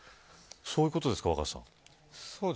そういうことですか若狭さん。